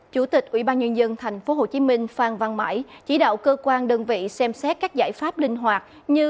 chủ tịch ubnd tp hcm phan văn mãi chỉ đạo cơ quan đơn vị xem xét các giải pháp linh hoạt như